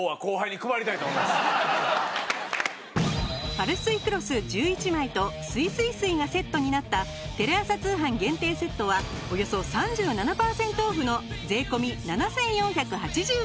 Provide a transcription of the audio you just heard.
パルスイクロス１１枚とすいすい水がセットになったテレ朝通販限定セットはおよそ３７パーセントオフの税込７４８０円。